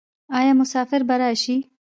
آیا مسافر به راشي؟